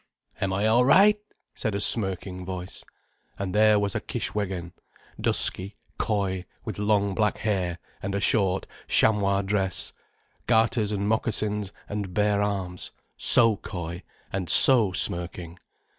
"Am I all right?" said a smirking voice. And there was Kishwégin, dusky, coy, with long black hair and a short chamois dress, gaiters and moccasins and bare arms: so coy, and so smirking.